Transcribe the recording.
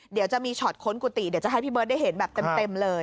เสียงคนกุฏิเดี๋ยวจะให้พี่เบิร์ตได้เห็นแบบเต็ม